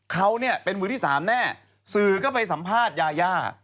เขาเนี่ยเป็นมือที่๓แน่สื่อก็ไปสัมภาษณ์ยายา